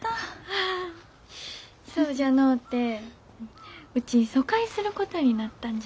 ああそうじゃのうてうち疎開することになったんじゃ。